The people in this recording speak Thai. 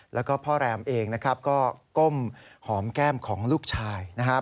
แล้วก็พ่อแรมเองนะครับก็ก้มหอมแก้มของลูกชายนะครับ